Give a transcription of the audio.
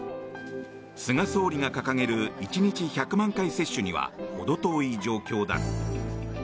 菅総理が掲げる１日１００万回接種にはほど遠い状況だ。